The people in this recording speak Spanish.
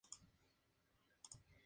Este lo llevó a Defensor Lima.